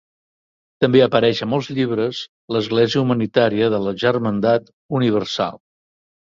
També apareix a molts dels llibres l'església humanitària de la germandat universal.